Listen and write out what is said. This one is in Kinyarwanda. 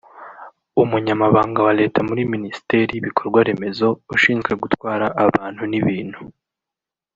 Umunyamabanga wa Leta muri Ministeri y’Ibikorwaremezo ushinzwe gutwara abantu n’ibintu